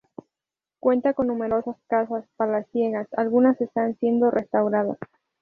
Cuenta con numerosas casas palaciegas, algunas están siendo restauradas.